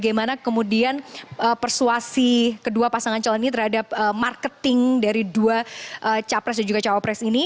karena kemudian persuasi kedua pasangan calon ini terhadap marketing dari dua capres dan juga cowopres ini